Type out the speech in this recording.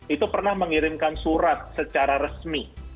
itu pernah mengirimkan surat secara resmi